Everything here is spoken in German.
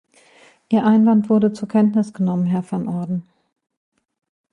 Ihr Einwand wurde zur Kenntnis genommen, Herr Van Orden.